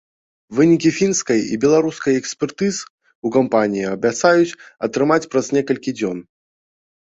Вынікі фінскай і беларускай экспертыз у кампаніі абяцаюць атрымаць праз некалькі дзён.